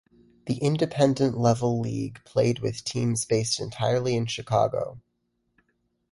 The Independent level league played with teams based entirely in Chicago.